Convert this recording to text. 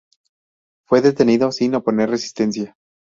Fue detenido sin oponer resistencia.